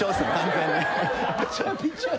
びちゃびちゃ。